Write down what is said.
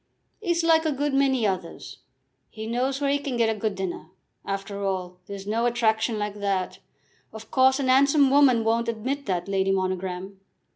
"'E's like a good many others. He knows where he can get a good dinner. After all, there's no attraction like that. Of course, a 'ansome woman won't admit that, Lady Monogram."